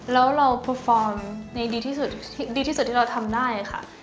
แล้วเราเพอร์ฟอร์มในดีที่สุดที่เราทำได้ค่ะ